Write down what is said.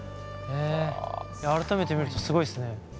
改めて見るとすごいですね。